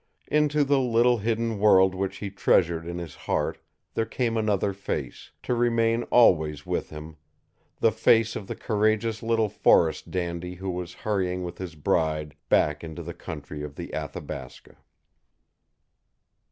Into the little hidden world which he treasured in his heart there came another face, to remain always with him the face of the courageous little forest dandy who was hurrying with his bride back into the country of the Athabasca.